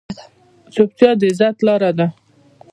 چپتیا، د عزت لاره ده.